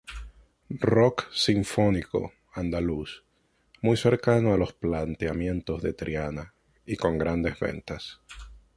Rock sinfónico andaluz, muy cercano a los planteamientos de Triana, y con grandes ventas.